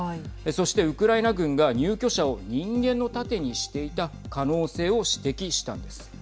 そして、ウクライナ軍が入居者を人間の盾にしていた可能性を指摘したんです。